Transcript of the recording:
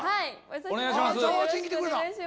お願いします。